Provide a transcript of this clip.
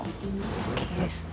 大きいですね。